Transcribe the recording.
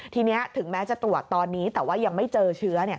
ทีนี้ถึงแม้จะตรวจตอนนี้แต่ว่ายังไม่เจอเชื้อ